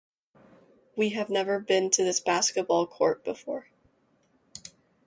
We have never been to this basketball court before.